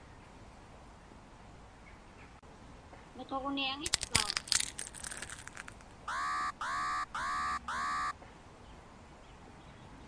Miquġniaŋitpauŋ?